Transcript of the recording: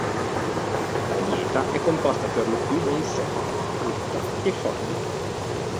La dieta è composta per lo più da insetti, frutta e foglie.